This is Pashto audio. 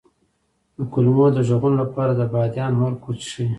د کولمو د غږونو لپاره د بادیان عرق وڅښئ